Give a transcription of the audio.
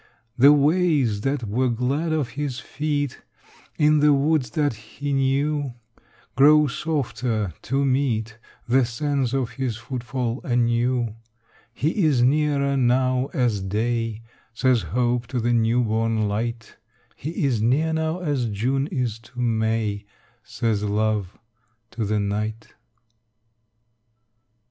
The ways that were glad of his feet In the woods that he knew Grow softer to meet The sense of his footfall anew. He is near now as day, Says hope to the new born light: He is near now as June is to May, Says love to the night.